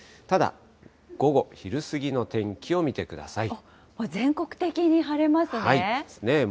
ただ午後、昼過ぎの天気を見てく全国的に晴れますね。